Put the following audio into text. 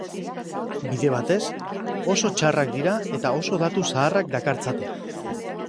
Bide batez, oso txarrak dira eta oso datu zaharrak dakartzate.